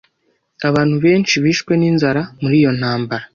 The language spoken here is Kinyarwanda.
Abantu benshi bishwe n'inzara muri iyo ntambara.